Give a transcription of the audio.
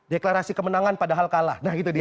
deklarasi kemenangan padahal kalah nah itu dia